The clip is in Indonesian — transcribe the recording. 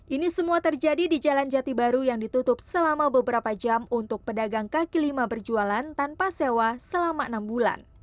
ini semua terjadi di jalan jati baru yang ditutup selama beberapa jam untuk pedagang kaki lima berjualan tanpa sewa selama enam bulan